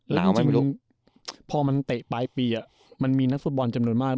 เราไม่รู้พอมันเตะปลายปีมันมีนักฟุตบอลจำนวนมาก